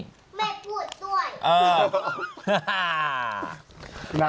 ไม่พูดด้วย